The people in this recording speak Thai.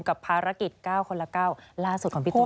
กับภารกิจ๙คนละ๙ล่าสุดของพี่โจ๊